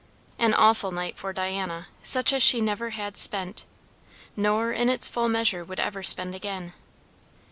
An awful night for Diana, such as she never had spent, nor in its full measure would ever spend again.